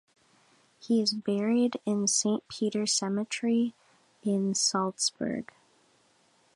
He is buried in Saint Peter's Cemetery in Salzburg.